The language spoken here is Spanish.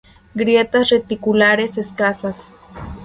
Grietas reticulares escasas.